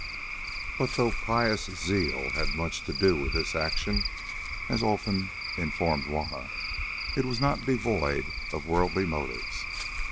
But though pious zeal had much to do with this action, as Olfan informed Juanna, it was not devoid of worldly motives.